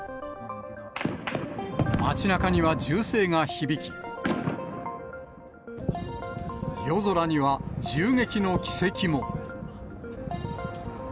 街なかには銃声が響き、夜空には銃撃の軌跡も。